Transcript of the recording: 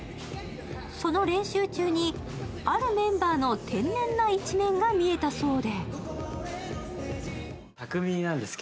その練習中にあるメンバーの天然な一面が見えたそうで。